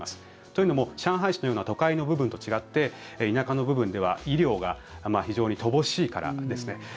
というのも上海市のような都会の部分と違って田舎の部分では医療が非常に乏しいからですね。